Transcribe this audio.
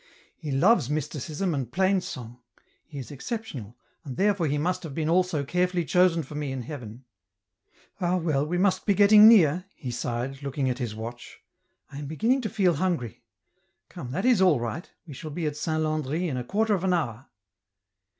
He loves mysticism and plain song ; he is exceptional, and therefore he must have been also care fully chosen for me in heaven. " Ah well I we must be getting near," he sighed, looking at his watch, " I am beginning to feel hungry ; come, that is all right, we shall be at Saint Landry in a quarter of an hour."